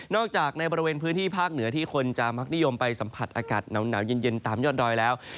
จากในบริเวณพื้นที่ภาคเหนือที่คนจะมักนิยมไปสัมผัสอากาศหนาวเย็นตามยอดดอยแล้ว